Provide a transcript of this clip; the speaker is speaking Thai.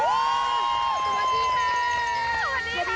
สวัสดีค่ะ